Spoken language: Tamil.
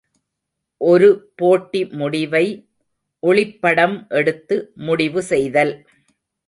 ஒரு போட்டி முடிவை ஒளிப்படம் எடுத்து முடிவு செய்தல்.